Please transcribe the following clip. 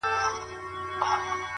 ټوله عمر د عبادت يوه خبره د حقيقت.